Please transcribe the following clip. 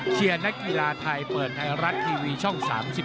นักกีฬาไทยเปิดไทยรัฐทีวีช่อง๓๒